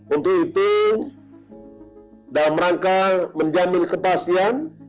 untuk itu dalam rangka menjamin kepastian